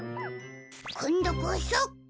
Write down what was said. こんどこそ！